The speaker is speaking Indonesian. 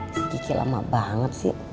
si kiki lama banget sih